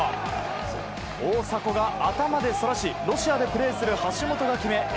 大迫が頭でそらしロシアでプレーする橋本が決めＡ